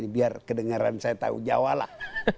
biar kedengaran saya tahu jawa lah